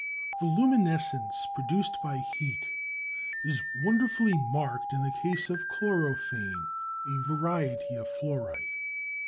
The luminescence produced by heat is wonderfully marked in the case of chlorophane, a variety of fluorite.